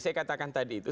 saya katakan tadi itu